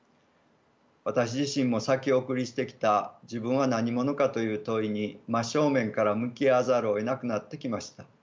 私自身も先送りしてきた自分は何者かという問いに真正面から向き合わざるをえなくなってきました。